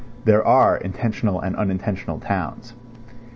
(There are intentional and unintentional towns.)